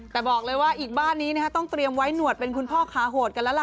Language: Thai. แต่บอกเลยว่าอีกบ้านนี้ต้องเตรียมไว้หนวดเป็นคุณพ่อขาโหดกันแล้วล่ะ